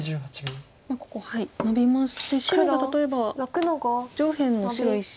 まあここノビまして白が例えば上辺の白１子。